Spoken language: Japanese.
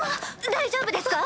大丈夫ですか？